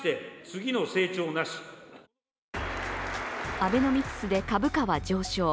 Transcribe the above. アベノミクスで株価は上昇。